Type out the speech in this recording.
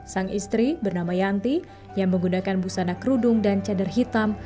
sang istri bernama yanti yang menggunakan busana kerudung dan cadar hitam